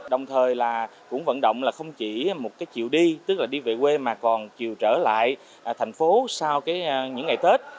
đồng thời cũng vận động không chỉ một chiều đi tức là đi về quê mà còn chiều trở lại thành phố sau những ngày tết